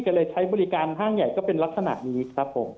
ก็เลยใช้บริการห้างใหญ่ก็เป็นลักษณะนี้ครับผม